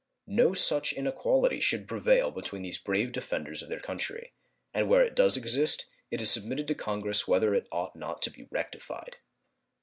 No such inequality should prevail between these brave defenders of their country, and where it does exist it is submitted to Congress whether it ought not to be rectified.